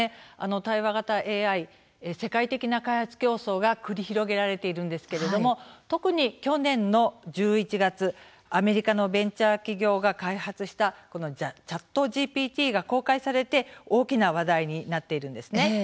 対話型ＡＩ、世界的な開発競争が繰り広げられているんですけれども特に去年の１１月アメリカのベンチャー企業が開発したＣｈａｔＧＰＴが公開されて大きな話題になっているんですね。